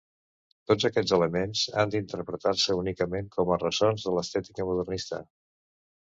Tots aquests elements han d'interpretar-se únicament com a ressons de l'estètica modernista.